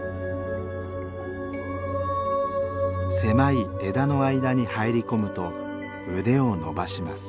狭い枝の間に入り込むと腕を伸ばします。